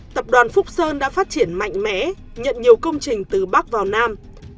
tập đoàn phúc sơn đã phát triển mạnh mẽ nhận nhiều công trình từ bắc vào nam